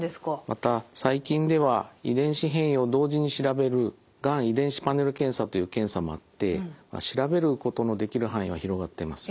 また最近では遺伝子変異を同時に調べるがん遺伝子パネル検査という検査もあって調べることのできる範囲は広がっています。